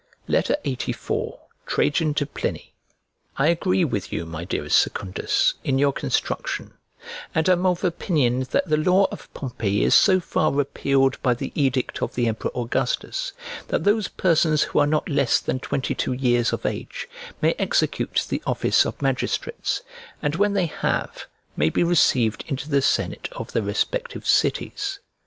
LXXXIV TRAJAN TO PLINY I AGREE with you, my dearest Secundus, in your construction, and am of opinion that the law of Pompey is so far repealed by the edict of the emperor Augustus that those persons who are not less than twenty two years of age may execute the office of magistrates, and, when they have, may be received into the senate of their respective cities.